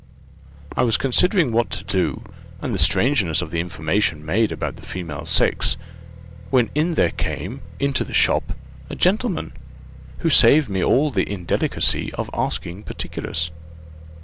I was considering what to do, and the strangeness of the information made about the female sex, when in there came, into the shop, a gentleman, who saved me all the indelicacy of asking particulars.